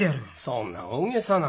そんな大げさな。